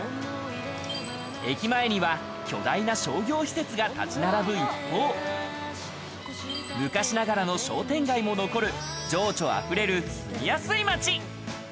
駅前には巨大な商業施設が立ち並ぶ一方、昔ながらの商店街も残る情緒あふれる住みやすい街。